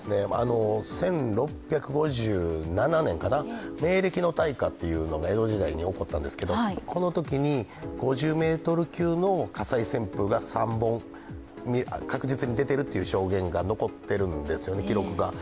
１６５７年かな、明暦の大火というのが江戸時代に起こったんですけどこのときに、５０ｍ級の火災旋風が３本、確実に出ているという証言が残っているんですね、記録が。